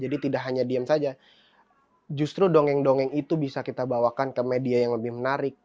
jadi tidak hanya diam saja justru dongeng dongeng itu bisa kita bawakan ke media yang lebih menarik